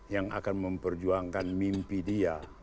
yang akan memperjuangkan mimpi dia